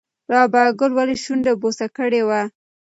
رابعه ګل ولې شونډه بوڅه کړې وه؟